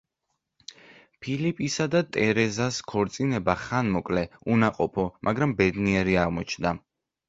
ფილიპისა და ტერეზას ქორწინება ხანმოკლე, უნაყოფო, მაგრამ ბედნიერი აღმოჩნდა.